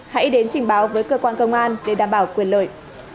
hãy đến trình báo với cơ quan công an để đảm bảo quyền lợi